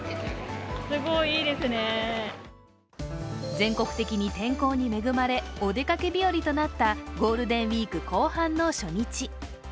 全国的に天候に恵まれ、お出かけ日和となったゴールデンウイーク後半の初日。